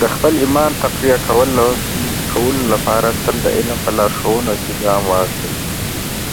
د خپل ایمان تقویه کولو لپاره تل د علم په لارښوونو کې ګام واخلئ.